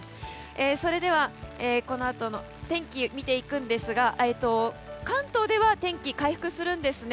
それでは、このあとの天気見ていくんですが関東では天気、回復するんですね。